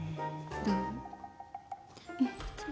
どう？